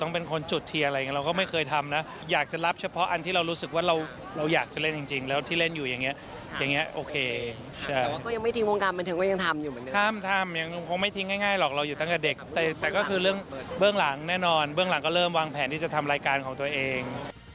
เป็นรายการที่เป็นตัวของตัวเอง